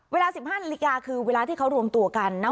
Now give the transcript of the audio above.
เวลา๑๕นาฬิกาคือเวลาที่เขารวมตัวกันนะ